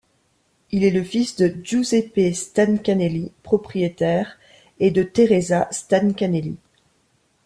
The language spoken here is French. Il est le fils de Giuseppe Stancanelli, propriétaire, et de Teresa Stancanelli.